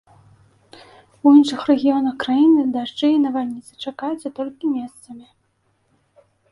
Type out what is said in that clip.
У іншых рэгіёнах краіны дажджы і навальніцы чакаюцца толькі месцамі.